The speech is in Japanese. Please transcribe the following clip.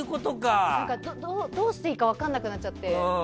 どうしていいか分からなくなっちゃって。